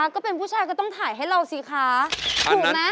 ก็เป็นผู้ชายก็ต้องถ่ายให้เราสิค่ะ